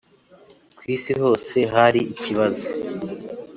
ku isi hose hari ikibazo